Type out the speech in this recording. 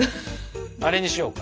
あれにしようか。